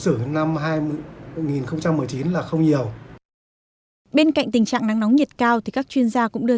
sử năm hai nghìn một mươi chín là không nhiều bên cạnh tình trạng nắng nóng nhiệt cao thì các chuyên gia cũng đưa